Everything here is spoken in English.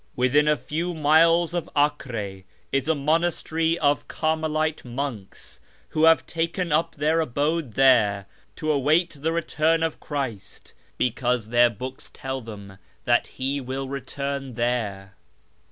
Within a few miles of Acre is a monastery of Carmelite monks, who have taken up their abode there to await the return of Christ, because their books tell them that He will return there.